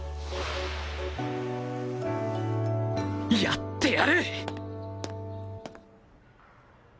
やってやる！